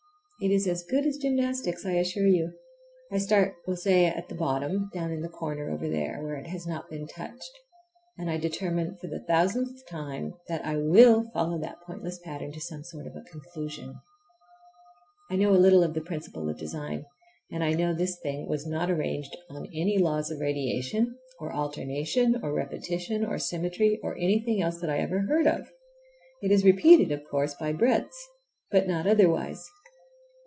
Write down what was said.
It is as good as gymnastics, I assure you. I start, we'll say, at the bottom, down in the corner over there where it has not been touched, and I determine for the thousandth time that I will follow that pointless pattern to some sort of a conclusion. I know a little of the principle of design, and I know this thing was not arranged on any laws of radiation, or alternation, or repetition, or symmetry, or anything else that I ever heard of. It is repeated, of course, by the breadths, but not otherwise.